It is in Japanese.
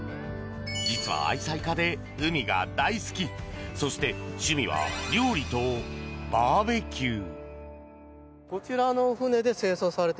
実は、愛妻家で海が大好きそして趣味は料理とバーベキュー。